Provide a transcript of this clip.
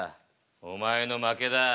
お前の負けだ。